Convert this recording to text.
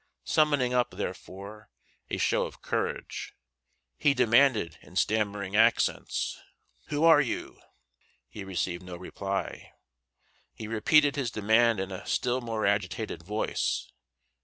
Summoning up, therefore, a show of courage, he demanded in stammering accents, "Who are you?" He received no reply. He repeated his demand in a still more agitated voice.